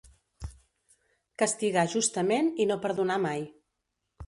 Castigar justament i no perdonar mai.